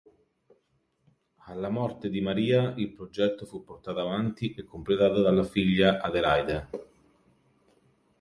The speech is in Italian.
Alla morte di Maria, il progetto fu portato avanti e completato dalla figlia Adelaide.